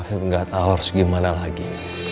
afif gak tau harus gimana lagi